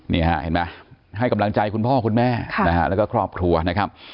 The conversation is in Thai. นี่ฮะเห็นไหมให้กำลังใจคุณพ่อคุณแม่นะฮะแล้วก็ครอบครัวนะครับ